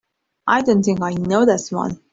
I don't think I know that one.